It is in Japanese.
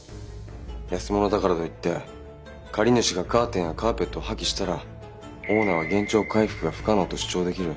安物だからといって借り主がカーテンやカーペットを破棄したらオーナーは原状回復が不可能と主張できる。